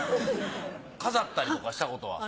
飾ったりとかしたことは？